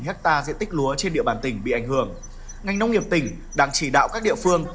hai hectare diện tích lúa trên địa bàn tỉnh bị ảnh hưởng ngành nông nghiệp tỉnh đang chỉ đạo các địa phương